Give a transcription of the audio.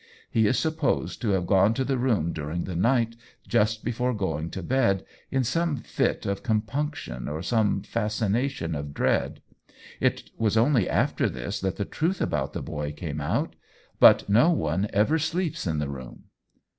He is supposed to have gone to the room during the night, just before going to bed, in some fit of compunction or some fascination of dread. It was only after this that the truth about the boy came out. But no one ever sleeps in the room."